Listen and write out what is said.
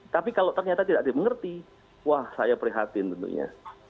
tapi kalau ternyata tidak dimengerti wah saya prihatin tentunya